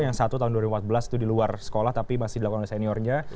yang satu tahun dua ribu empat belas itu di luar sekolah tapi masih dilakukan oleh seniornya